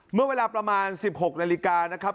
เมื่อเวลาประมาณ๑๖นาฬิกานะครับ